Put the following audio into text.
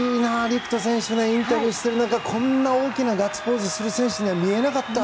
陸斗選手をインタビューした中こんなに大きなガッツポーズする選手には見えなかった。